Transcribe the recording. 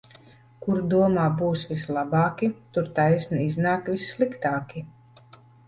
Kur domā būs vislabāki, tur taisni iznāk vissliktāki.